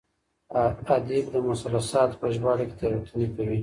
ادیب د مثلثاتو په ژباړه کې تېروتنې کوي.